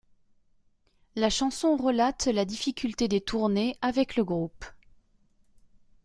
La chanson relate la difficulté des tournées avec le groupe.